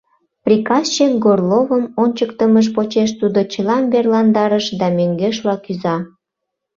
Приказчик Горловым ончыктымыж почеш тудо чылам верландарыш да мӧҥгешла кӱза.